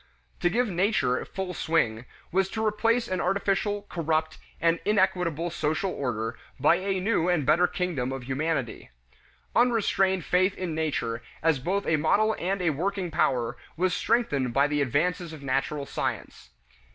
To give "nature" full swing was to replace an artificial, corrupt, and inequitable social order by a new and better kingdom of humanity. Unrestrained faith in Nature as both a model and a working power was strengthened by the advances of natural science.